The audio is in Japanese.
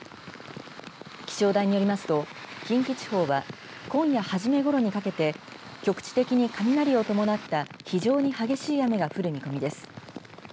気象台によりますと近畿地方は今夜初めごろにかけて局地的に雷を伴った非常に激しい雨が降る見込みです。